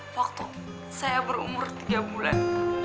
waktu saya berumur tiga bulan